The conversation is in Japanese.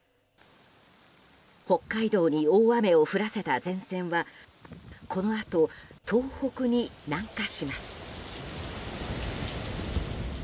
北海道に大雨を降らせた前線はこのあと東北に南下します。